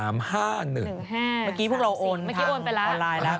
เมื่อกี้พวกเราโอนทางออนไลน์แล้ว